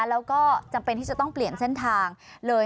แล้วก็จำเป็นที่จะต้องเปลี่ยนเส้นทางเลย